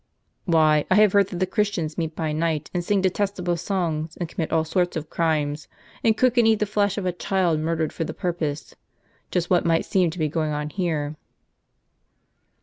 "" Why, I have heard that the Christians meet by night, and sing detestable songs, and commit all sorts of crimes; and cook and eat the flesh of a child murdered for the pur pose*— just what might seem to be going on here."